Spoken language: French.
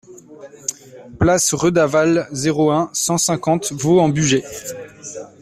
Place Redavalle, zéro un, cent cinquante Vaux-en-Bugey